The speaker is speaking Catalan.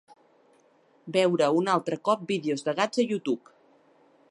Veure un altre cop vídeos de gats a YouTube.